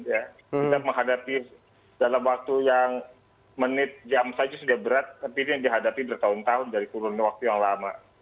kita menghadapi dalam waktu yang menit jam saja sudah berat tapi itu yang dihadapi bertahun tahun dari kurun waktu yang lama